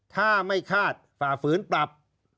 ถ้าไม่คาดฝ่าฝืนปรับ